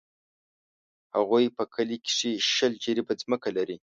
هغوی په کلي کښې شل جریبه ځمکه لري.